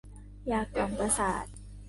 ยากล่อมประสาท